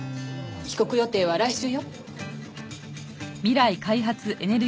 帰国予定は来週よ。